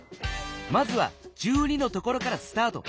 まずは１２のところからスタート。